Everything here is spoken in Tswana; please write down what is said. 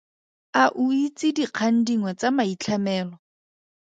A o itse dikgang dingwe tsa maitlhamelo?